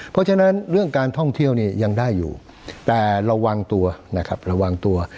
เพราะฉะนั้นเรื่องการท่องเที่ยวเนี่ยยังได้อยู่แต่ระวังตัวนะครับระวังตัว